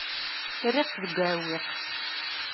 Rriɣ-tt deg uɛewwiq.